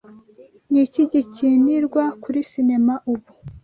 Ni iki gikinirwa kuri sinema ubu?